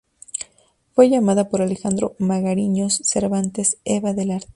Fue llamada por Alejandro Magariños Cervantes "Eva del arte".